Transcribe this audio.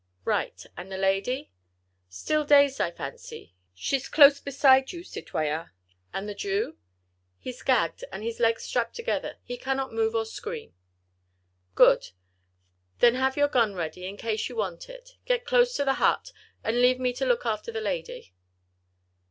"Right. And the lady?" "Still dazed, I fancy. She's close beside you, citoyen." "And the Jew?" "He's gagged, and his legs strapped together. He cannot move or scream." "Good. Then have your gun ready, in case you want it. Get close to the hut and leave me to look after the lady."